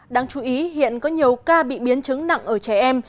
đáng chú ý hiện có nhiều ca bị biến chứng nặng ở trẻ em